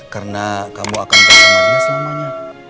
karena kamu akan bersamanya selamanya